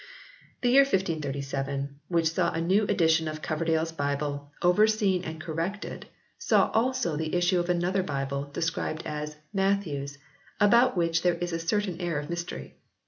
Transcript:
The year 1537 which saw a new edition of Cover dale s Bible "overseen and corrected," saw also the issue of another Bible described as "Matthew s" about which there is a certain air of mystery.